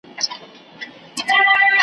لس ډوله تعبیرونه وړاندي کړي